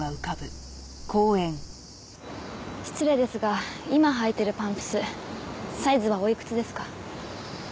失礼ですが今履いているパンプスサイズはおいくつですか？